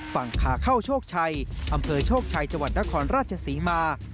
ฝั่งขาเข้าโชคชัยอำเภอโชคชัยจังหวัดนครราชศรีมา